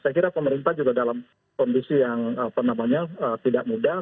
saya kira pemerintah juga dalam kondisi yang tidak mudah